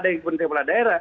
dari penteri kepala daerah